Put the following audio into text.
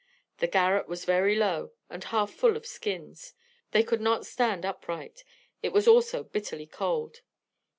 The garret was very low, and half full of skins. They could not stand upright. It was also bitterly cold.